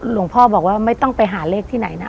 หลวงพ่อบอกว่าไม่ต้องไปหาเลขที่ไหนนะ